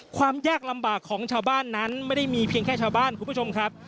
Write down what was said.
ความยากลำบากของชาวบ้านนั้นไม่ได้มีเพียงแค่ชาวบ้านคุณผู้ชมครับ